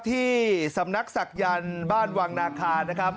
ที่สำนักศักยันต์บ้านวังนาคานะครับ